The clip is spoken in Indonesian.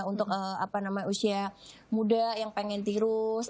untuk usia muda yang pengen tirus